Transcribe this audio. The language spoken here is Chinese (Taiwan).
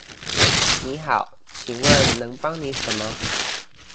你好，請問能幫你什麼?